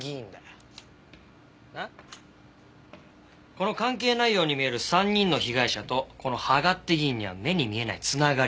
この関係ないように見える３人の被害者とこの芳賀って議員には目に見えない繋がりがある。